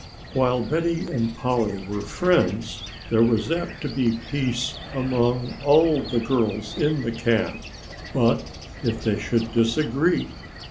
While Betty and Polly were friends there was apt to be peace among all the girls in camp, but if they should disagree?